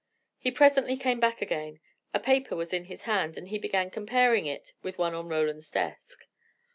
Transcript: He presently came back again. A paper was in his hand, and he began comparing it with one on Roland's desk.